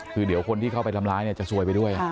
คือเดี๋ยวคนที่เข้าไปทำร้ายเนี่ยจะซวยไปด้วย